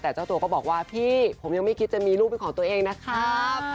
แต่เจ้าตัวก็บอกว่าพี่ผมยังไม่คิดจะมีลูกเป็นของตัวเองนะครับ